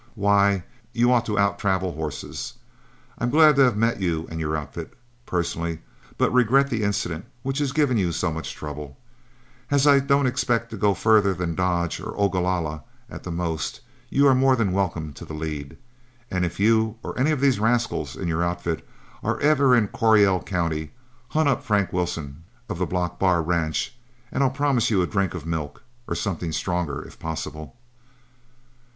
Why, you ought to out travel horses. I'm glad to have met you and your outfit, personally, but regret the incident which has given you so much trouble. As I don't expect to go farther than Dodge or Ogalalla at the most, you are more than welcome to the lead. And if you or any of these rascals in your outfit are ever in Coryell County, hunt up Frank Wilson of the Block Bar Ranch, and I'll promise you a drink of milk or something stronger if possible."